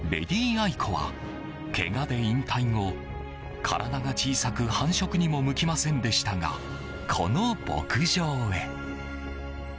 アイコは、けがで引退後体が小さく繁殖にも向きませんでしたがこの牧場へ。